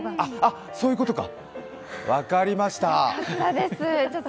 そういうことか、分かりました。